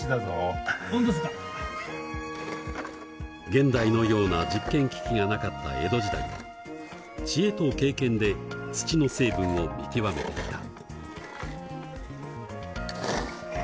現代のような実験機器がなかった江戸時代は知恵と経験で土の成分を見極めていた。